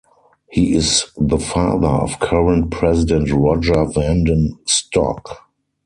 He is the father of current president Roger Vanden Stock.